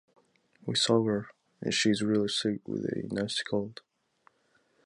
We saw her and she is really sick with a nasty cold.